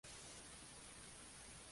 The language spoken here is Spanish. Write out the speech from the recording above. Aparece mencionado en la saga de Laxdœla.